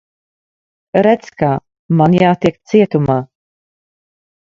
Redz, kā. Man jātiek cietumā.